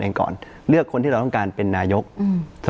ก่อนเลือกคนที่เราต้องการเป็นนายกอืม